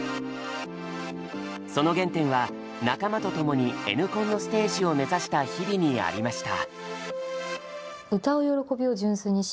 その原点は仲間とともにＮコンのステージを目指した日々にありました。